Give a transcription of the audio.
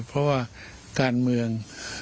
เพราะว่าการเมือง